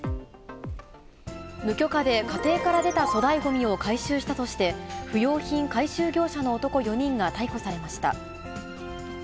無許可で家庭から出た粗大ごみを回収したとして、不用品回収業者の男４人が逮捕されました。